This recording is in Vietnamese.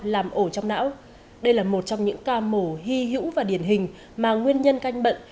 làm ổ trong não đây là một trong những ca mổ hy hữu và điển hình mà nguyên nhân canh bận